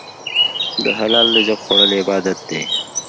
د حلال رزق خوړل عبادت دی.